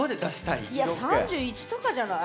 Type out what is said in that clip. いや３１とかじゃない？